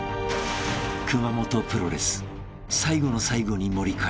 ［熊元プロレス最後の最後に盛り返す］